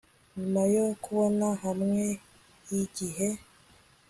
nyuma yo kubora hamwe nigihe